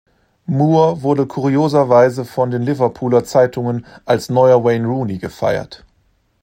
Moore wurde kurioserweise von den Liverpooler Zeitungen als neuer Wayne Rooney gefeiert.